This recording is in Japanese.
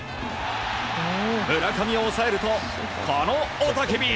村上を抑えると、この雄たけび。